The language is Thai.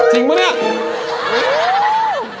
จริงปะเนี่ย